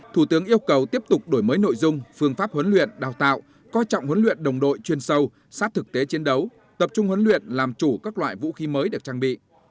thủ tướng yêu cầu tiếp tục đổi mới nội dung phương pháp huấn luyện đào tạo coi trọng huấn luyện đồng đội chuyên sâu sát thực tế chiến đấu tập trung huấn luyện làm chủ các loại vũ khí mới được trang bị